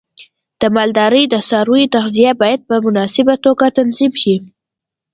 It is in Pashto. د مالدارۍ د څارویو تغذیه باید په مناسبه توګه تنظیم شي.